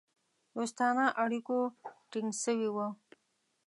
دوستانه اړیکو ټینګ سوي وه.